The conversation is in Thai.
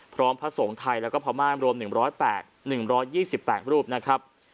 พร้อมพระสงฆ์ไทยและพระม่างรวม๑๒๘รูปนะครับ